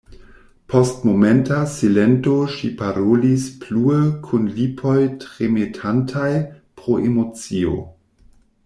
Post momenta silento ŝi parolis plue kun lipoj tremetantaj pro emocio: